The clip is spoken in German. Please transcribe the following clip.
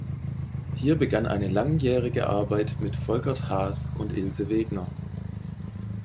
Hier begann eine langjährige Arbeit mit Volkert Haas und Ilse Wegner.